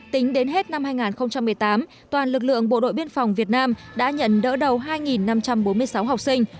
tính đến hết năm hai nghìn một mươi tám toàn lực lượng bộ đội biên phòng việt nam đã nhận đỡ đầu hai năm trăm bốn mươi sáu học sinh